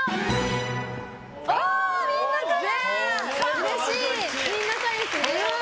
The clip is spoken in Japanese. うれしい！